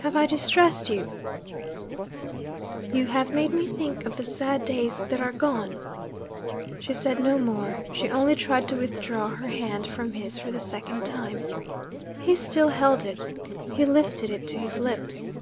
'Have I distressed you?' 'You have made me think of the sad days that are gone.' She said no more; she only tried to withdraw her hand from his for the second time. He still held it; he lifted it to his lips.